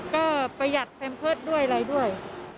ก็ประหยัดแฟมเพิดด้วยเลยด้วย